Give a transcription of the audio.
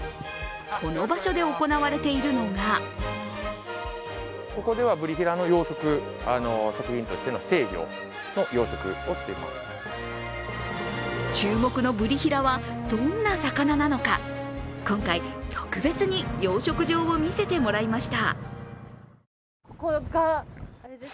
この場所で行われているのが注目のブリヒラはどんな魚なのか、今回、特別に養殖場を見せてもらいました。